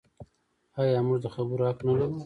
آیا موږ د خبرو حق نلرو؟